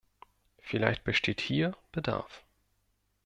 Vielleicht besteht hier Bedarf.